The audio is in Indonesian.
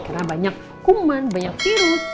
karena banyak kuman banyak virus